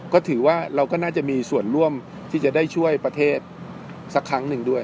ก็ถือว่าเราก็น่าจะมีส่วนร่วมที่จะได้ช่วยประเทศสักครั้งหนึ่งด้วย